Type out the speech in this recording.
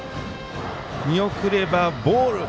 見送ればボール